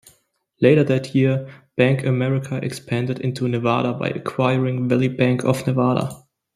Later that year, BankAmerica expanded into Nevada by acquiring Valley Bank of Nevada.